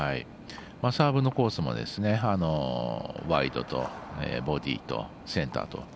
サーブのコースもワイドとボディーとセンターと。